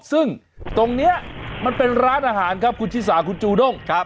ซึ่งตรงนี้มันเป็นร้านอาหารครับคุณชิสาคุณจูด้ง